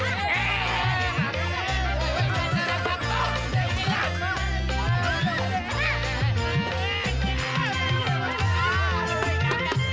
udah udah pak